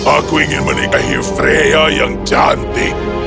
aku ingin menikahi frea yang cantik